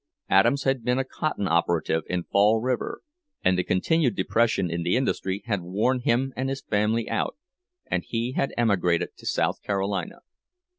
Adams had been a cotton operative in Fall River, and the continued depression in the industry had worn him and his family out, and he had emigrated to South Carolina.